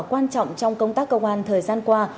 quan trọng trong công tác công an thời gian qua